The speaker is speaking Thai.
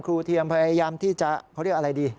เทียมพยายามที่จะเขาเรียกอะไรดี